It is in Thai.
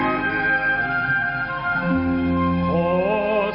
เพราะฝันไฟในฝันไหวด้วยใจถนน